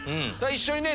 一緒にね